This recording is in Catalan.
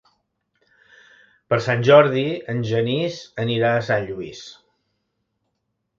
Per Sant Jordi en Genís anirà a Sant Lluís.